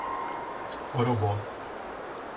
Orobó